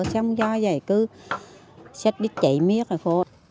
xong do vậy cứ xét đích chạy miếng